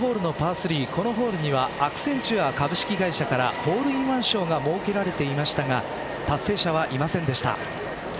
３このホールにはアクセンチュア株式会社からホールインワン賞が設けられていましたが達成者はいませんでした。